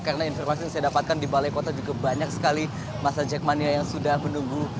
karena informasi yang saya dapatkan di balai kota juga banyak sekali masa jackmania yang sudah menunggu